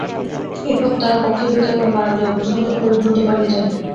এরপর তারা কক্ষের ভেতর এবং বারান্দায় অগ্নিসংযোগ করে দ্রুত পালিয়ে যায়।